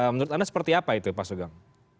menurut anda seperti apa itu pak sugeng